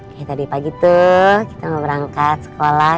kayak tadi pagi tuh kita mau berangkat sekolah